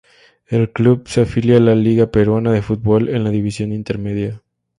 El club, se afilia a la Liga Peruana de Fútbol, en la División Intermedia.